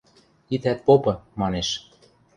– Итӓт попы... – манеш.